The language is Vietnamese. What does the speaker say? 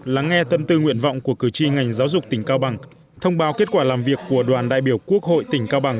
lắng nghe tâm tư nguyện vọng của cử tri ngành giáo dục tỉnh cao bằng thông báo kết quả làm việc của đoàn đại biểu quốc hội tỉnh cao bằng